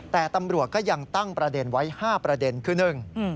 แต่ตำรวจก็ยังตั้งประเด็นไว้๕ประเด็นคือหนึ่ง